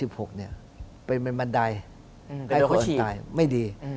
เป็นบันไดให้คนตายไม่ดี